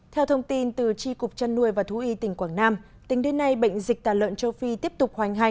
theo thông tin từ tri cục trăn nuôi và thú y tỉnh quảng nam tính đến nay bệnh dịch tả lợn châu phi tiếp tục hoành hành